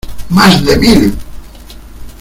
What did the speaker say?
¡ más de mil!